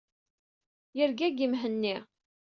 Yergagi Mhenni.